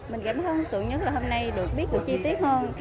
mình cảm hứng nhất là hôm nay được biết được chi tiết hơn